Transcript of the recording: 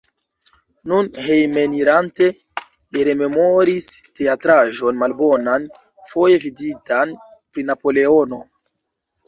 Nun hejmenirante, li rememoris teatraĵon malbonan, foje viditan pri Napoleono.